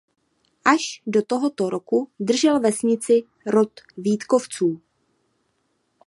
Až do tohoto roku držel vesnici rod Vítkovců.